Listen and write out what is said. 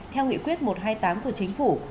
theo nghị quyết một trăm hai mươi tám của chính phủ